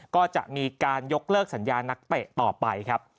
ก็จะมีการยกเลิกสัญญานักเตะต่อไปครับ